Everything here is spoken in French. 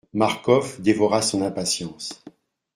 Marcof dévora son impatience.